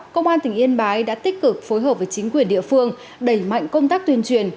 công an tỉnh yên bái đã tích cực phối hợp với chính quyền địa phương đẩy mạnh công tác tuyên truyền